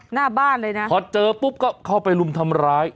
หน้าบ้านเลยนะพอเจอปุ๊บก็เข้าไปรุมทำร้าย